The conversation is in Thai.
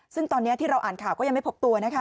ซึ่งตอนนี้ที่เราอ่านข่าวก็ยังไม่พบตัวนะคะ